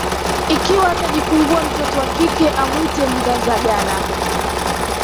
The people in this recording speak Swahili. ikiwa atajifungua mtoto wa kike amwite Mnganzagala